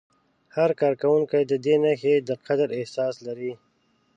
هر کارکوونکی د دې نښې د قدر احساس لري.